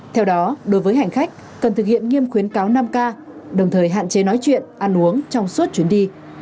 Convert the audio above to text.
theo đó đối với hành khách cần thực hiện nghiêm khuyến cáo năm k đồng thời hạn chế nói chuyện ăn uống trong suốt chuyến đi